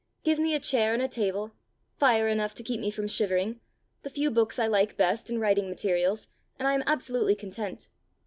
Give me a chair and a table, fire enough to keep me from shivering, the few books I like best and writing materials, and I am absolutely content.